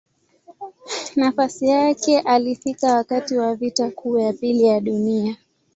Nafasi yake alifika wakati wa Vita Kuu ya Pili ya Dunia.